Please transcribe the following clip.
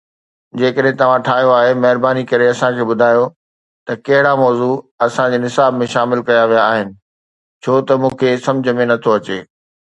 جيڪڏھن توھان ٺاھيو آھي، مھرباني ڪري اسان کي ٻڌايو ته ڪھڙا موضوع اسان جي نصاب ۾ شامل ڪيا ويا آھن ڇو ته مون کي سمجھ ۾ نٿو اچي؟